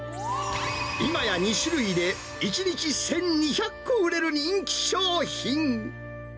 今や２種類で１日１２００個売れる人気商品。